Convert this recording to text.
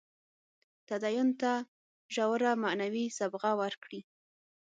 تدین ته ژوره معنوي صبغه ورکړي.